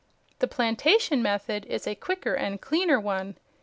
The plantation method is a quicker and cleaner one.